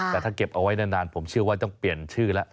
แต่ถ้าเก็บเอาไว้นานผมเชื่อว่าต้องเปลี่ยนชื่อแล้ว